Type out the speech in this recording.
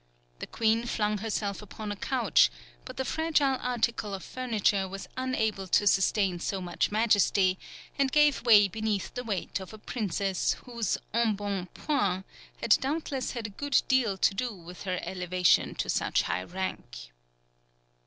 The queen flung herself upon a couch, but the fragile article of furniture was unable to sustain so much majesty, and gave way beneath the weight of a princess, whose embonpoint had doubtless had a good deal to do with her elevation to such high rank.